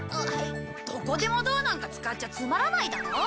どこでもドアなんか使っちゃつまらないだろ？